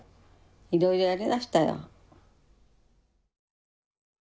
いろいろやりましたよ。